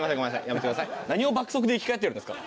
何を爆速で生き返ってるんですか？